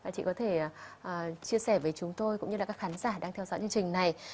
chị có thể chia sẻ với chúng tôi cũng như là các khán giả đang theo dõi chương trình này